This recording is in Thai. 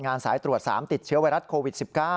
สายตรวจ๓ติดเชื้อไวรัสโควิด๑๙